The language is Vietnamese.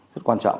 rất quan trọng